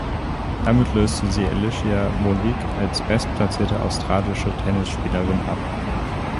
Damit löste sie Alicia Molik als bestplatzierte australische Tennisspielerin ab.